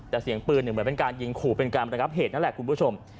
แต่เสียงปืนเหมือนเป็นการยิงขู่เป็นการระงับเหตุนั่นแหละคุณผู้ชม